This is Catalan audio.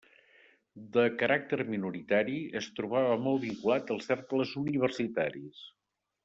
De caràcter minoritari, es trobava molt vinculat als cercles universitaris.